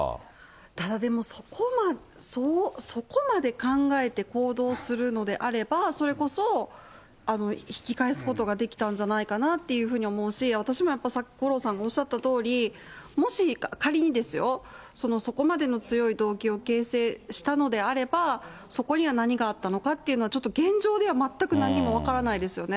ただでも、そこまで考えて行動するのであれば、それこそ、引き返すことができたんじゃないかなっていうふうに思うし、私も、さっき五郎さんがおっしゃったとおり、もし仮にですよ、そこまでの強い動機を形成したのであれば、そこには何があったのかっていうのは、ちょっと現状では全く何も分からないですよね。